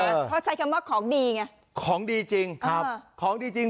เพราะใช้คำว่าของดีไงของดีจริงครับของดีจริง